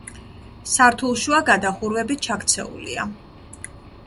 სართულშუა გადახურვები ჩაქცეულია.